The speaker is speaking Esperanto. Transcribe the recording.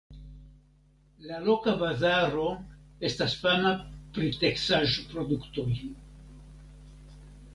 La loka bazaro estas fama pri teksaĵproduktoj.